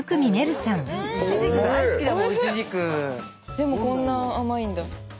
でもこんな甘いんだ。